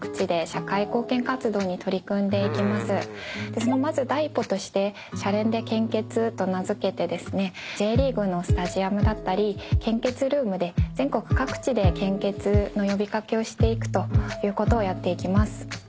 そのまず第一歩として「シャレン！で献血」と名付けてＪリーグのスタジアムだったり献血ルームで全国各地で献血の呼び掛けをしていくということをやっていきます。